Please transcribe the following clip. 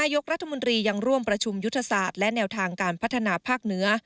ยกรัฐมนตรียังร่วมประชุมยุทธศาสตร์และแนวทางการพัฒนาภาคเหนือ